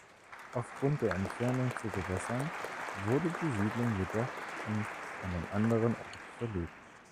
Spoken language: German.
Aufgrund der Entfernung zu Gewässern wurde die Siedlung jedoch an einen anderen Ort verlegt.